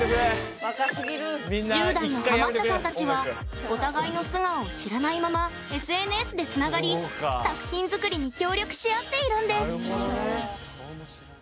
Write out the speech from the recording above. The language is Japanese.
１０代のハマったさんたちはお互いの素顔を知らないままＳＮＳでつながり、作品作りに協力し合っているんです。